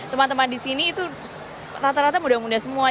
teman teman di sini itu rata rata muda muda semua